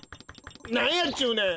なんやっちゅうねん！